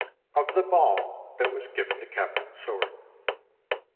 III. OF THE BALL THAT WAS GIVEN TO CAPTAIN SWORD.